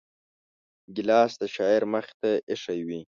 ګیلاس د شاعر مخې ته ایښی وي.